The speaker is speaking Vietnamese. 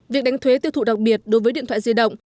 việc đánh thuế tiêu thụ đặc biệt đối với điện thoại di động